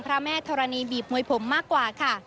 พระแม่ธรณีบีบมวยผมมากกว่าค่ะ